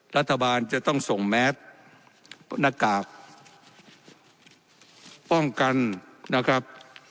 รัฐบาลจะต้องส่งแมสหน้ากากป้องกันนะครับ